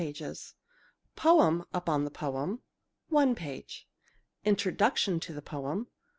2 " Poem upon the poem ........ 1 " Introduction to the poem